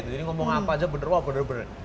jadi ngomong apa saja benar benar